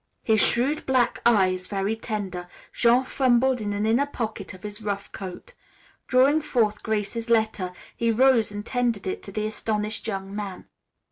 His shrewd black eyes very tender, Jean fumbled in an inner pocket of his rough coat. Drawing forth Grace's letter he rose and tendered it to the astonished young man.